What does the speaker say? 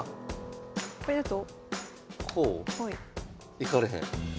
行かれへん。